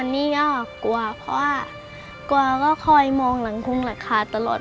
แล้วก็คอยมองหลังคุมละคาตลอด